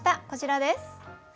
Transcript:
こちらです。